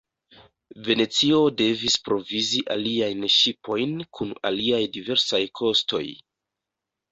Venecio devis provizi aliajn ŝipojn kun aliaj diversaj kostoj.